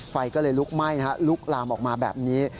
ไฟก็เลยลุกไหม้ลุกลามออกมาแบบนี้